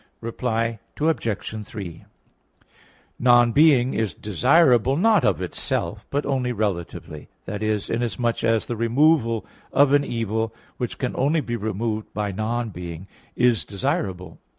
Reply Obj. 3: Non being is desirable, not of itself, but only relatively i.e. inasmuch as the removal of an evil, which can only be removed by non being, is desirable.